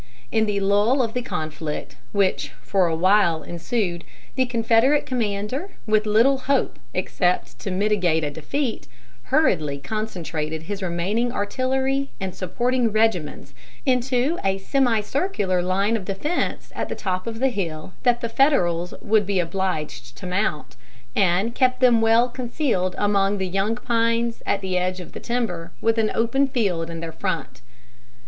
In the lull of the conflict which for a while ensued, the Confederate commander, with little hope except to mitigate a defeat, hurriedly concentrated his remaining artillery and supporting regiments into a semicircular line of defense at the top of the hill that the Federals would be obliged to mount, and kept them well concealed among the young pines at the edge of the timber, with an open field in their front.